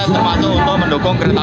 terpatu untuk mendukung kereta